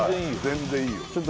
全然いいよ